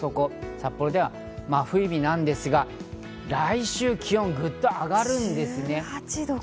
札幌では真冬日なんですが、来週、気温がぐっと上がるんですね。